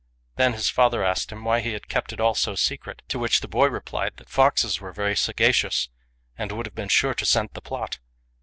Then his father asked him why he had kept it all so secret ; to which the boy replied that foxes were very sagacious, and would have been sure to scent the plot.